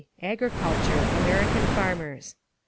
(Agriculture) American Farmers.